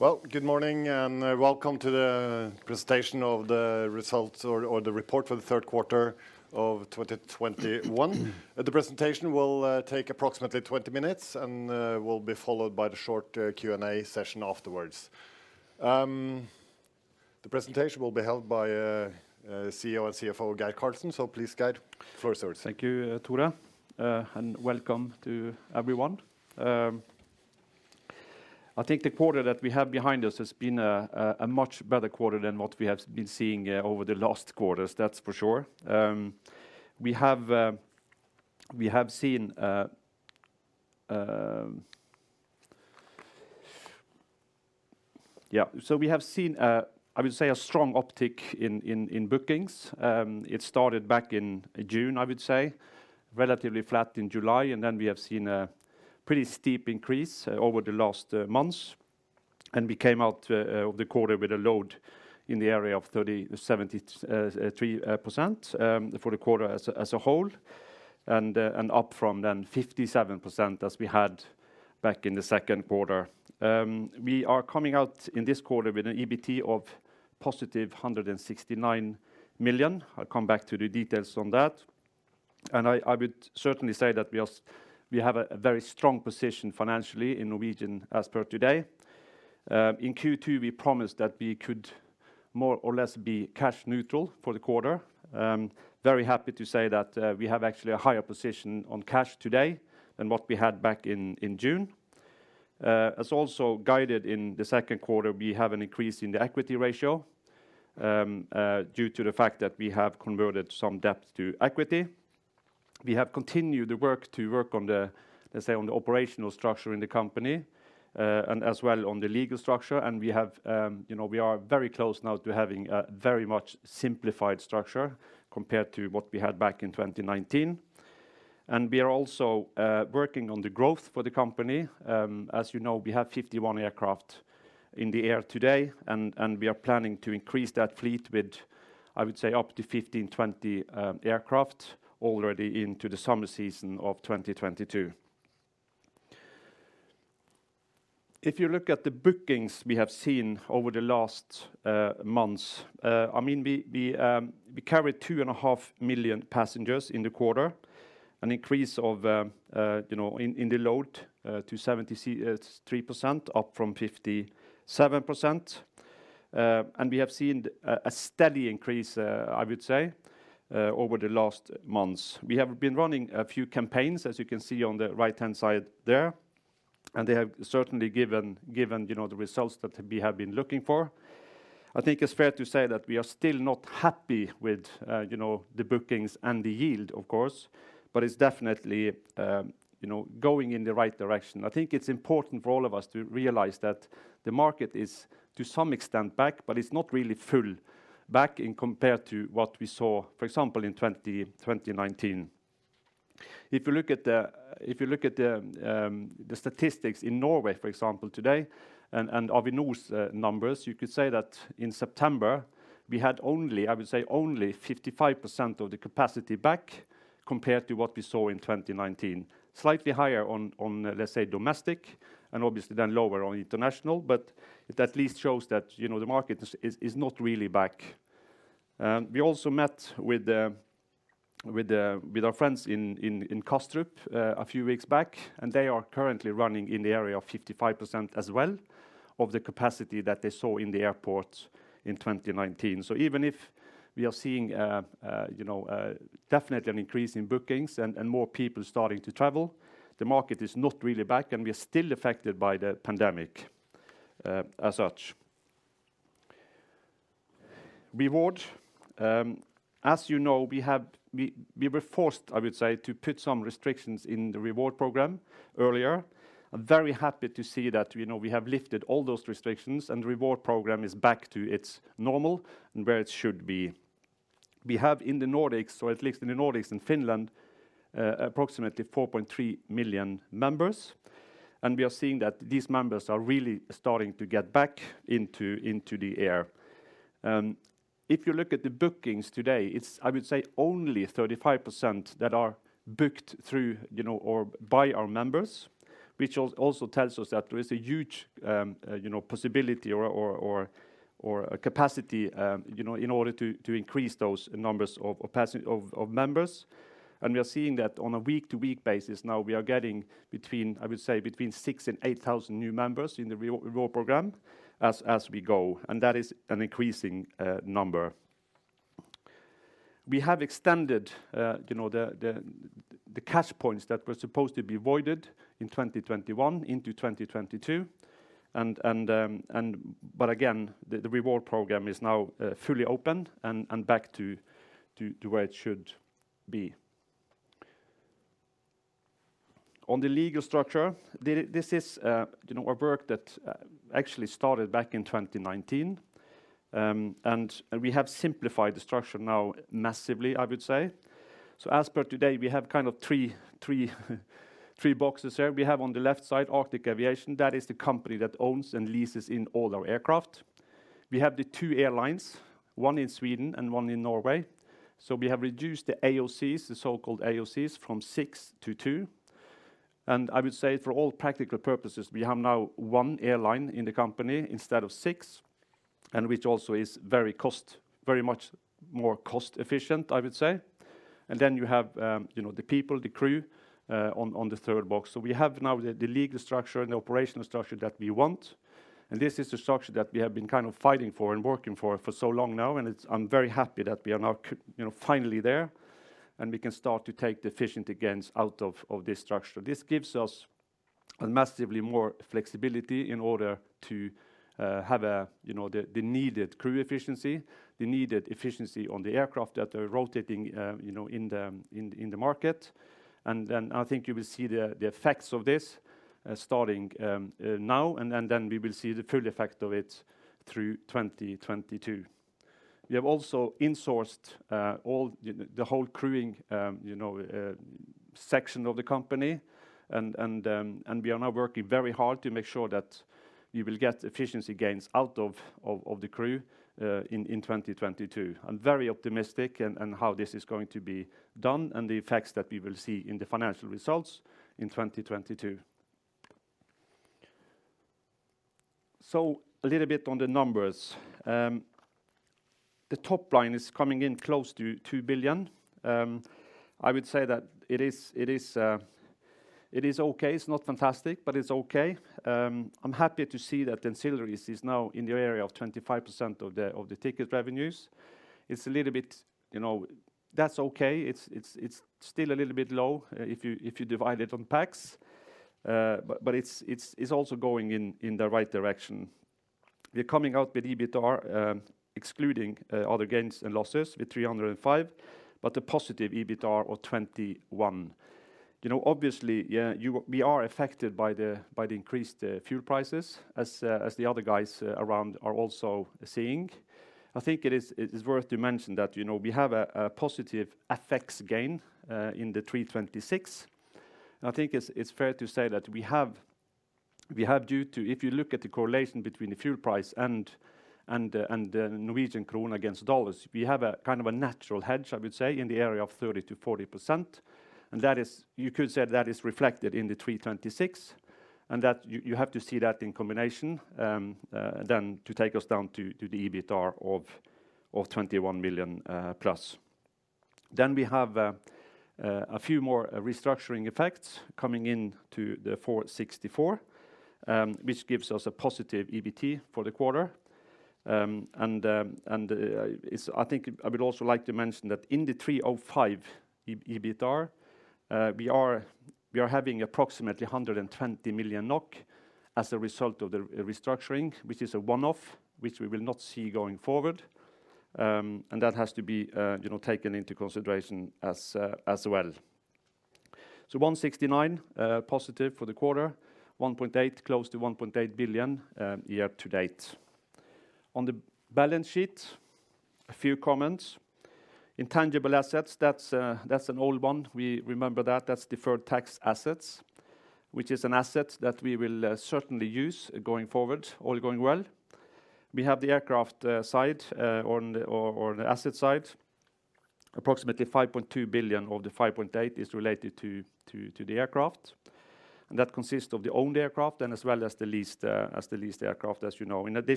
Well, good morning and welcome to the presentation of the results or the report for the third quarter of 2021. The presentation will take approximately 20 minutes and will be followed by the short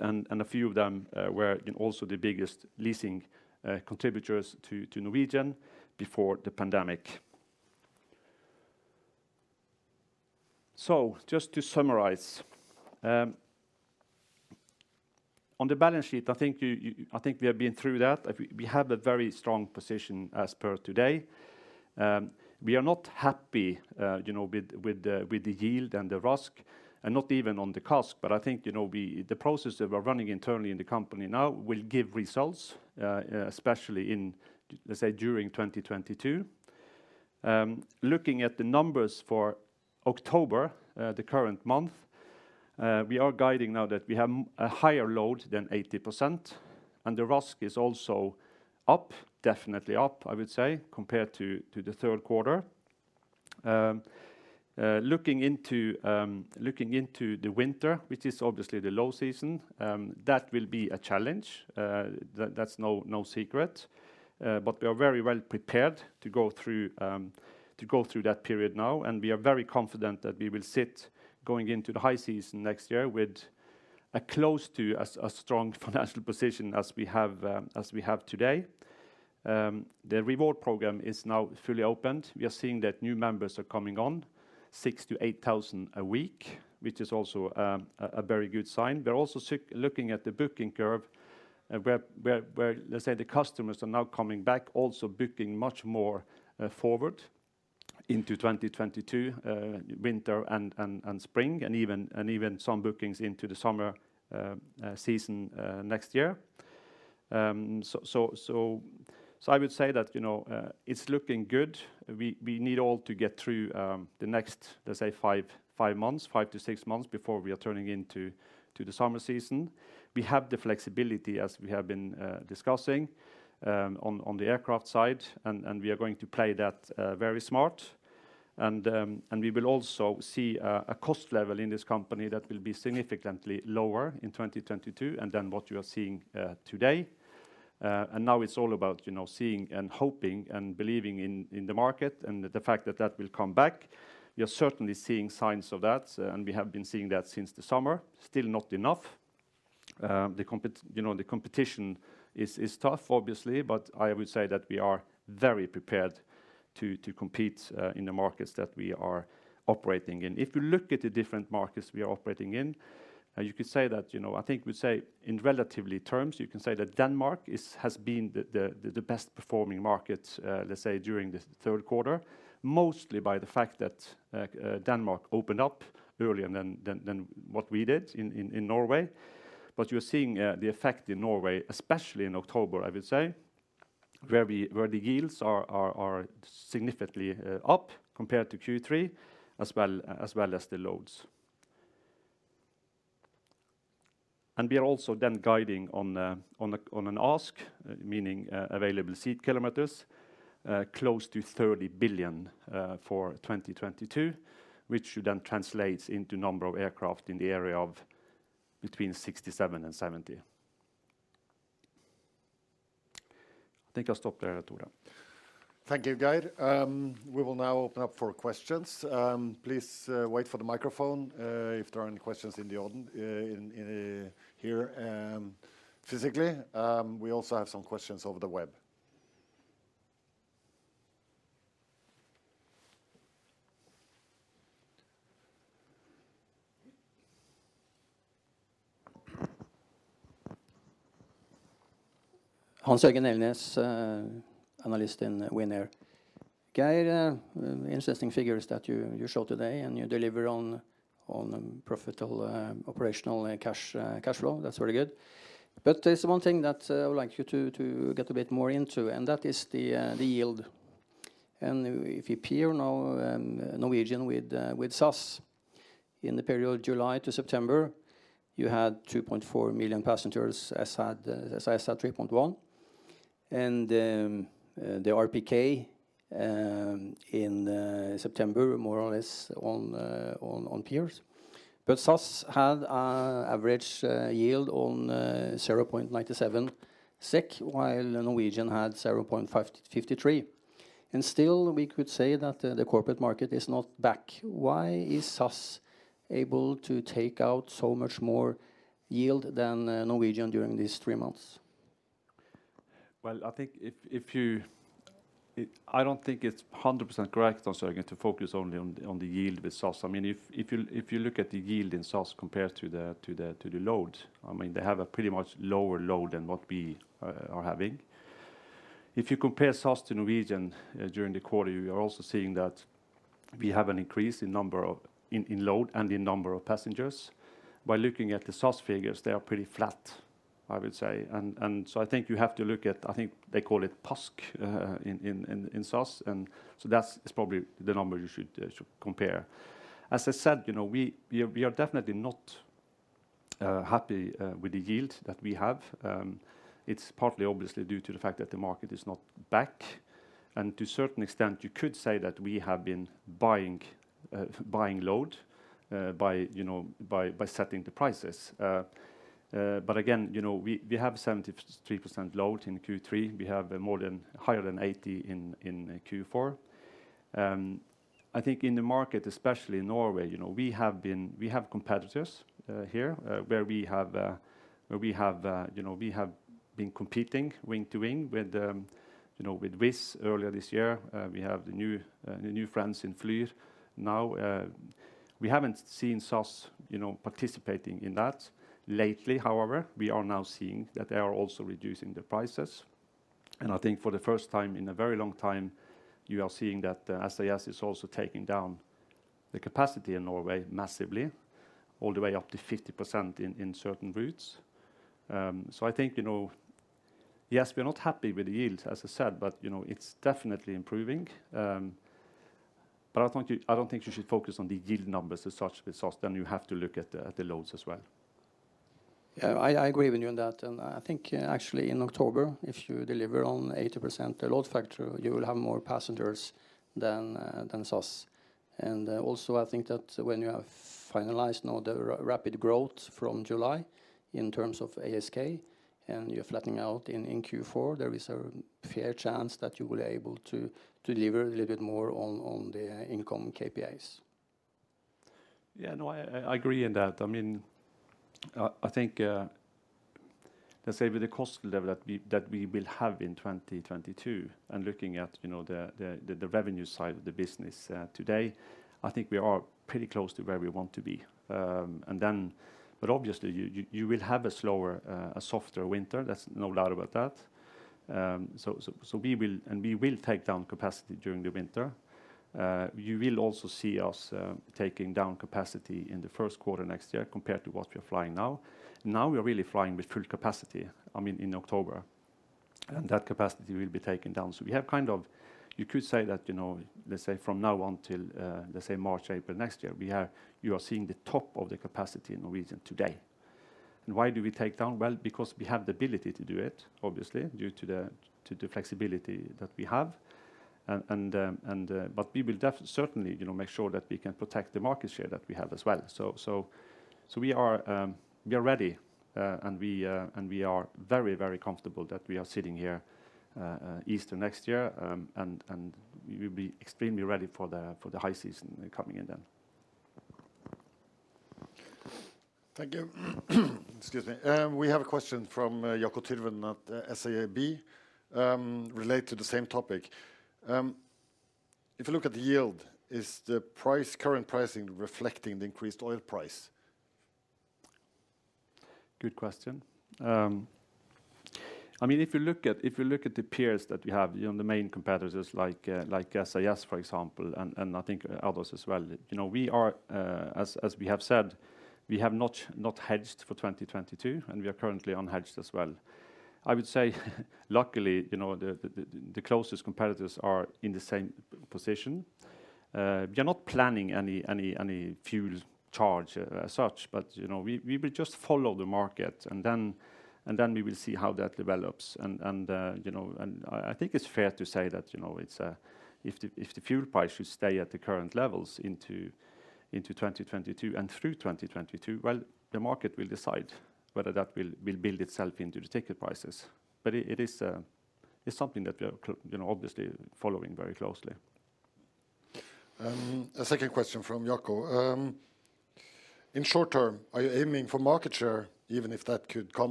Q&A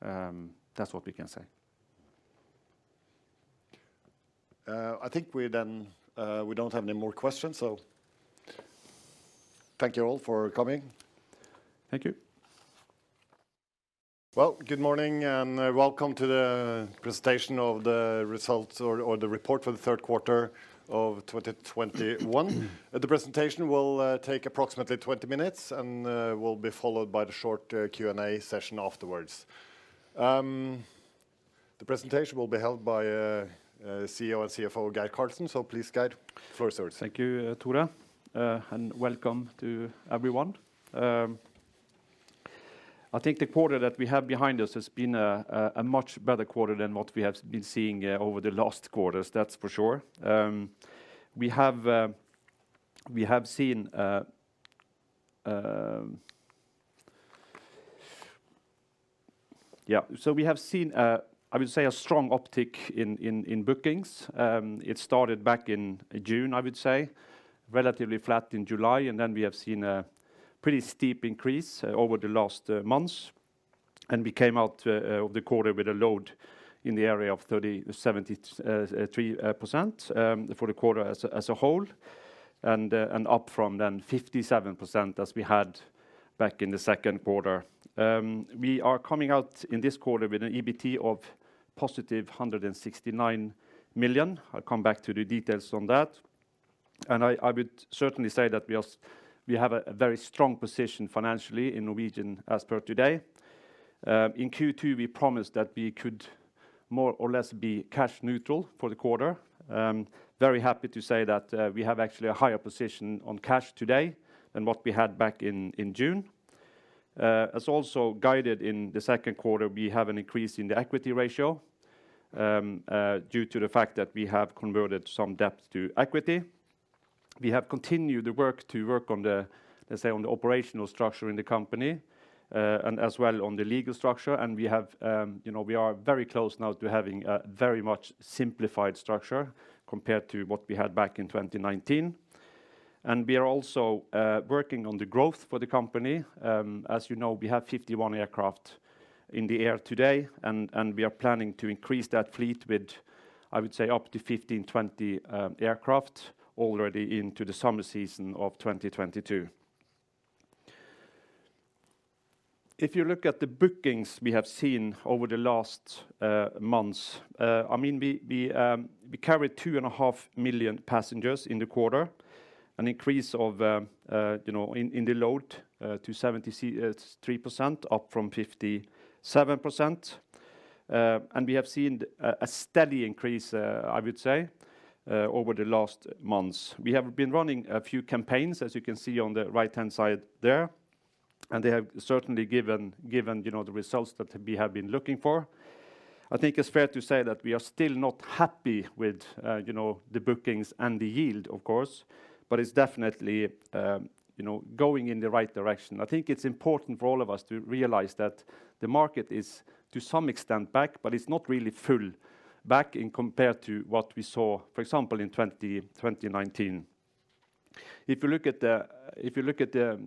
session afterwards. The presentation will be held by CEO and CFO, Geir Karlsen. Please Geir, floor is yours. Thank you, Tore, and welcome to everyone. I think the quarter that we have behind us has been a much better quarter than what we have been seeing over the last quarters, that's for sure. We have seen, I would say, a strong uptick in bookings. It started back in June, I would say, relatively flat in July, and then we have seen a pretty steep increase over the last months, and we came out of the quarter with a load in the area of 73% for the quarter as a whole, and up from the 57% as we had back in the second quarter. We are coming out in this quarter with an EBT of +169 million. I'll come back to the details on that. I would certainly say that we have a very strong position financially in Norwegian as per today. In Q2, we promised that we could more or less be cash neutral for the quarter. Very happy to say that we have actually a higher position on cash today than what we had back in June. As also guided in the second quarter, we have an increase in the equity ratio due to the fact that we have converted some debt to equity. We have continued the work to work on the, let's say, operational structure in the company, and as well on the legal structure. We have, you know, we are very close now to having a very much simplified structure compared to what we had back in 2019. We are also working on the growth for an increase of, you know, in the load to 73%, up from 57%. We have seen a steady increase, I would say, over the last months. We have been running a few campaigns, as you can see on the right-hand side there, and they have certainly given, you know, the results that we have been looking for. I think it's fair to say that we are still not happy with, you know, the bookings and the yield, of course, but it's definitely, you know, going in the right direction. I think it's important for all of us to realize that the market is to some extent back, but it's not really full back in compared to what we saw, for example, in 2019. If you look at the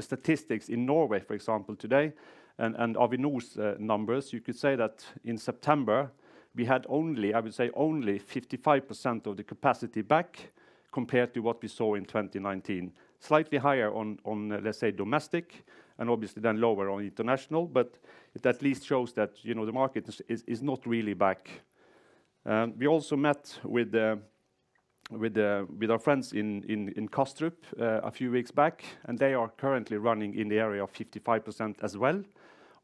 statistics in Norway, for example, today and Avinor's numbers, you could say that in September, we had only 55% of the capacity back compared to what we saw in 2019. Slightly higher on, let's say, domestic and obviously then lower on international. It at least shows that, you know, the market is not really back. We also met with our friends in Kastrup a few weeks back, and they are currently running in the area of 55% as well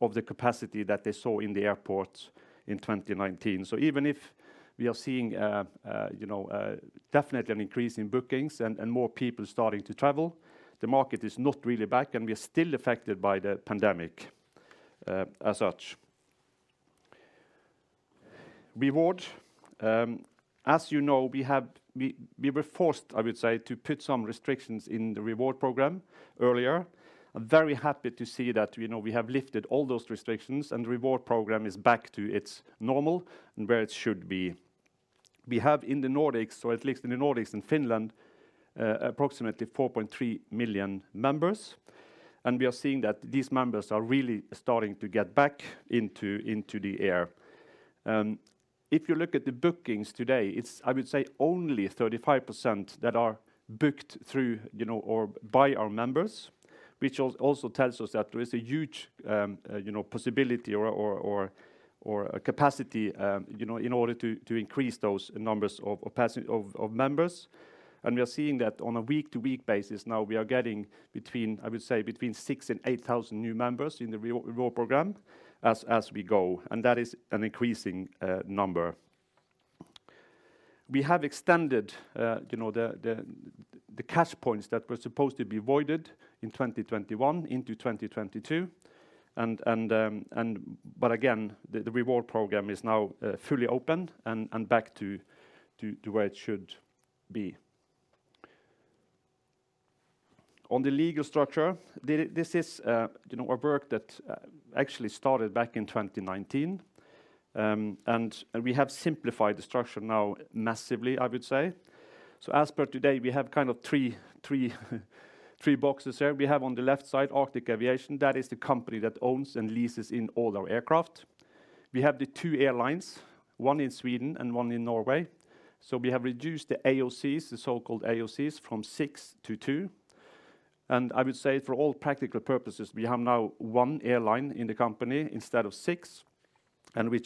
of the capacity that they saw in the airport in 2019. Even if we are seeing, you know, definitely an increase in bookings and more people starting to travel, the market is not really back, and we are still affected by the pandemic as such. Reward. As you know, we were forced, I would say, to put some restrictions in the reward program earlier. I'm very happy to see that, you know, we have lifted all those restrictions and the reward program is back to its normal and where it should be. We have in the Nordics, or at least in the Nordics and Finland, approximately 4.3 million members, and we are seeing that these members are really starting to get back into the air. If you look at the bookings today, it's, I would say, only 35% that are booked through, you know, or by our members, which also tells us that there is a huge possibility or capacity, you know, in order to increase those numbers of capacity of members. We are seeing that on a week-to-week basis now we are getting between, I would say, 6,000 and 8,000 new members in the reward program as we go, and that is an increasing number. We have extended the CashPoints that were supposed to be voided in 2021 into 2022, but again, the reward program is now fully open and back to where it should be. On the legal structure, this is a work that actually started back in 2019. We have simplified the structure now massively, I would say. As per today, we have kind of three boxes here. We have on the left side, Arctic Aviation. That is the company that owns and leases in all our aircraft. We have the two airlines, one in Sweden and one in Norway. We have reduced the AOCs, the so-called AOCs, from six to two. I would say for all practical purposes, we have now one airline in the company instead of six, and we have-